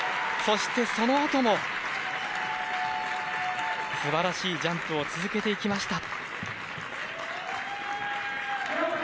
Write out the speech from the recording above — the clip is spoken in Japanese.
そして、そのあとも素晴らしいジャンプを続けていきました。